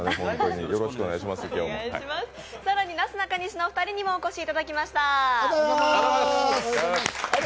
更になすなかにしのお二人にもお越しいただきました。